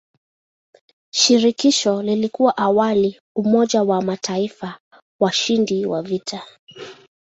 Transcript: Shirikisho lilikuwa awali umoja wa mataifa washindi wa vita.